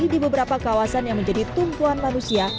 di beberapa kawasan yang menjadi tumpuan manusia